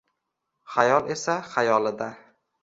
Xayol esa… xayolida